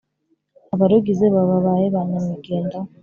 abarugize baba babaye ba nyamwigendaho